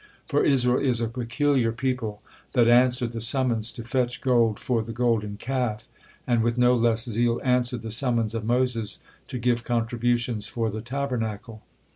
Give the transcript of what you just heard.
For Israel is a peculiar people, that answered the summons to fetch gold for the Golden Calf, and with no less zeal answered the summons of Moses to give contributions for the Tabernacle.